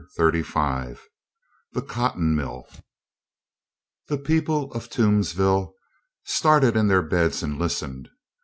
Thirty five THE COTTON MILL The people of Toomsville started in their beds and listened.